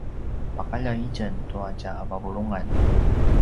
paqaljay itjen tua tja vavulungan